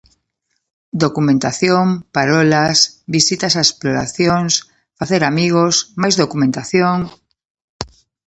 Documentación, parolas, visitas a explotacións, facer amigos, máis documentación...